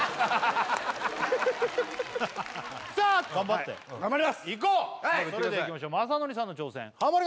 さあ頑張って頑張りますいこうそれではいきましょう雅紀さんの挑戦ハモリ